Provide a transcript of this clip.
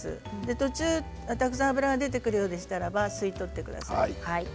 途中たくさん脂が出てくるようでしたら吸い取ってください。